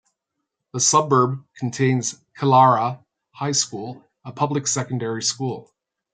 The suburb contains Killara High School, a public secondary school.